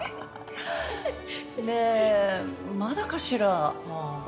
ねえまだかしら。